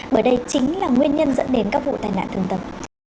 bởi đây chính là nguyên nhân dẫn đến các vụ tai nạn thương tâm